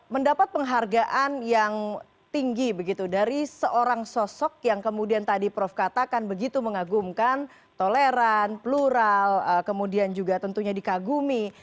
mendapat penghargaan yang tinggi begitu dari seorang sosok yang kemudian tadi prof katakan begitu mengagumkan toleran plural kemudian juga tentunya dikagumi